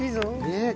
ねえ。